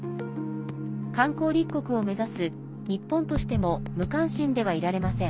観光立国を目指す日本としても無関心ではいられません。